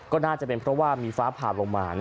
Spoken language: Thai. ก็น่าจะเป็นเพราะว่ามีฟ้าผ่าลงมา